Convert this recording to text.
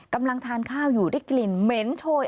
กำลังทานข้าวอยู่ได้กลิ่นเหม็นโชย